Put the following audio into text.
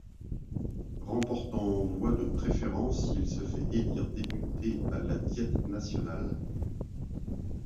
Remportant voix de préférence, il se fait élire député à la Diète nationale.